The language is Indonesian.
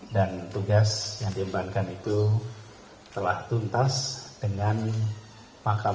dan tugas yang dikembangkan itu telah tuntas dengan makalanya